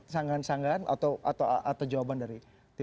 sanggahan sanggahan atau jawaban dari tim